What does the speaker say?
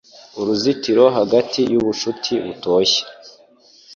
Uruzitiro hagati yubucuti butoshye.